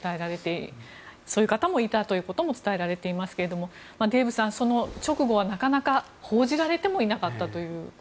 そういう方もいたということも伝えられていますがデーブさん、その直後はなかなか報じられてもいなかったという。